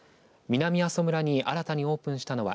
南阿蘇村に新たにオープンしたのは